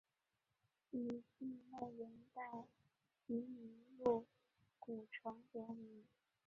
以境内元代集宁路古城得名。